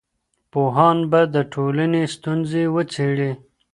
پوهان به د ټولني ستونزې وڅېړي.